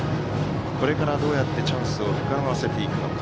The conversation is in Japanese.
これから、どうやってチャンスを膨らませていくのか。